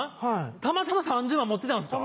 たまたま３０万持ってたんですか？